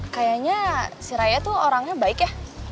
kayaknya si raya tuh orangnya baik ya